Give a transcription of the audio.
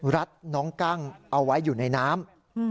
ัดน้องกั้งเอาไว้อยู่ในน้ำ